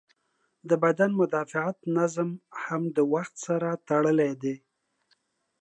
د بدن مدافعت نظام هم د وخت سره تړلی دی.